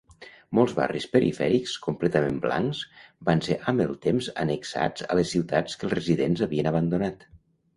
Molts barris perifèrics completament blancs van ser amb el temps annexats a les ciutats que els residents havien abandonat.